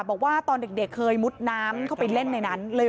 บอกว่าตอนเด็กเคยมรุดน้ำเข้าไปเล่นไหนนะ